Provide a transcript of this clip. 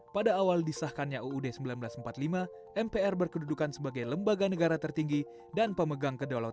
pada awal disahkannya uud seribu sembilan ratus empat puluh lima mpr berkedudukan sebagai lembaga negara tertinggi dan pemegang kedaulatan